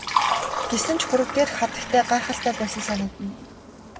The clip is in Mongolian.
Гэсэн ч хөрөг дээрх хатагтай гайхалтай байсан санагдана.